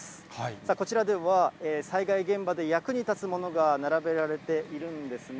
さあ、こちらでは災害現場で役に立つものが並べられているんですね。